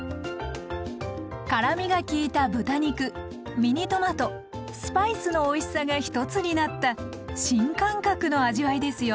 辛みが利いた豚肉ミニトマトスパイスのおいしさが１つになった新感覚の味わいですよ。